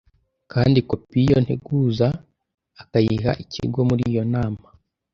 kandi kopi y iyo nteguza akayiha ikigo muri iyo nama